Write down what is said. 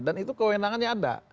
dan itu kewenangannya ada